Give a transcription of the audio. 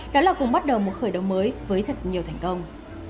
đó là cùng bắt đầu một khởi động mới với thật nhiều thành công